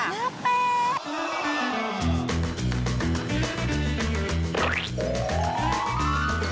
เนื้อแปด